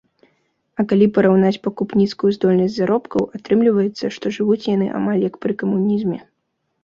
А калі параўнаць пакупніцкую здольнасць заробкаў, атрымліваецца, што жывуць яны амаль як пры камунізме.